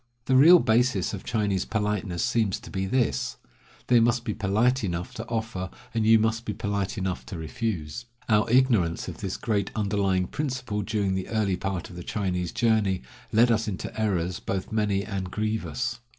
The real basis of Chinese politeness seems to be this: They must be polite enough to offer, and you must be polite enough to refuse. Our ignorance of this great underlying principle during the early part of the Chinese journey led us into errors both many and grievous.